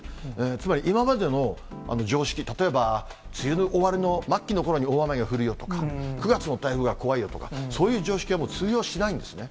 つまり、今までの常識、例えば梅雨の終わりの末期のころに大雨が降るよとか、９月の台風が怖いよとか、そういう常識は通用しないんですね。